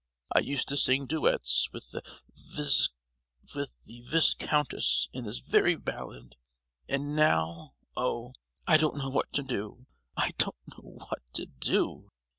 I used to sing duets with the vis—countess in this very ballad! And now, oh! I don't know what to do, I don't know what to do!"